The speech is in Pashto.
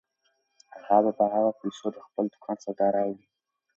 اغا به په هغو پیسو د خپل دوکان سودا راوړي.